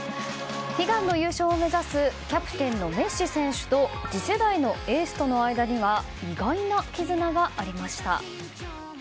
悲願の優勝を目指すキャプテンのメッシ選手と次世代のエースとの間には意外な絆がありました。